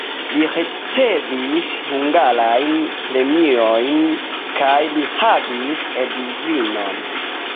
Li ricevis hungarajn premiojn kaj li havis edzinon.